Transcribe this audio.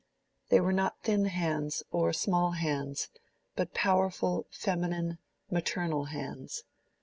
They were not thin hands, or small hands; but powerful, feminine, maternal hands.